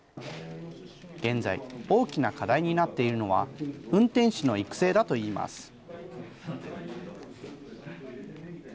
現在、大きな課題になっているのは、運転士の育成だといいます。